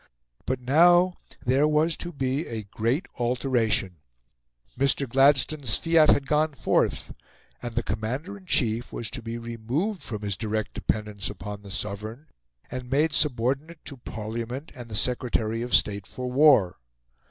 But now there was to be a great alteration: Mr. Gladstone's fiat had gone forth, and the Commander in Chief was to be removed from his direct dependence upon the Sovereign, and made subordinate to Parliament and the Secretary of State for War.